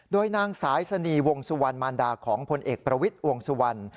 โดยนางสายสนีวงสุวรรณมารดาของพลเอกประวิทย์วงสุวรรณ